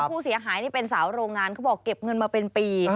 ผู้เสียหายนี่เป็นสาวโรงงานเขาบอกเก็บเงินมาเป็นปี